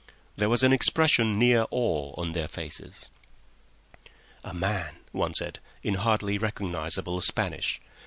There was an expression near awe on their faces. "A man," one said, in hardly recognisable Spanish.